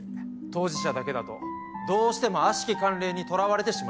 当事者だけだとどうしても悪しき慣例にとらわれてしまいます。